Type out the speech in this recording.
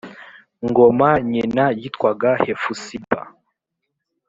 ngoma Nyina yitwaga Hefusiba